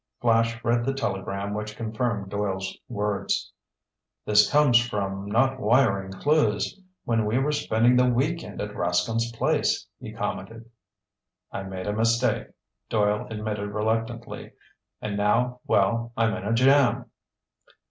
Flash read the telegram which confirmed Doyle's words. "This comes from not wiring Clewes we were spending the week end at Rascomb's place," he commented. "I made a mistake," Doyle admitted reluctantly. "And now, well, I'm in a jam."